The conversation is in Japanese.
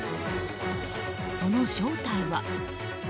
その正体は。